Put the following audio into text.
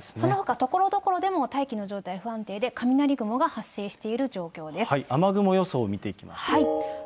そのほかところどころでも大気の状態不安定で、雨雲予想見ていきましょう。